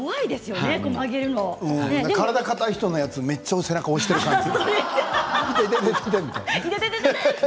体硬い人の背中をめっちゃ押してる感じ。